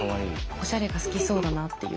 オシャレが好きそうだなっていう。